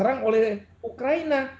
serang oleh ukraina